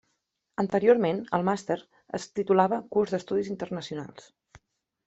Anteriorment el màster es titulava Curs d'Estudis Internacionals.